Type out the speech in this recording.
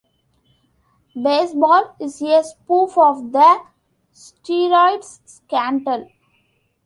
"Baseball" is a spoof of the steroids scandal.